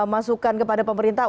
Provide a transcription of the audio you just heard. masukan kepada pemerintah